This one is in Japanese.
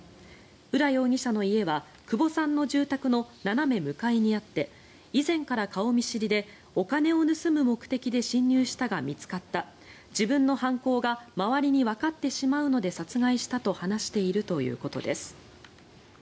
浦容疑者の家は久保さんの住宅の斜め向かいにあって以前から顔見知りでお金を盗む目的で侵入したが見つかった自分の犯行が周りにわかってしまうので殺害したと話しているということです。